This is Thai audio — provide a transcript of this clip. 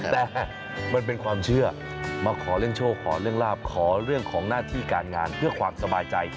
แต่มันเป็นความเชื่อมาขอเรื่องโชคขอเรื่องลาบขอเรื่องของหน้าที่การงานเพื่อความสบายใจ